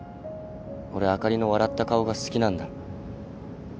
俺あかりの笑った顔が好きなんだ。